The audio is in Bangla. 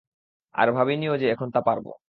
আর ভাবিনিও যে এখন তা পারব।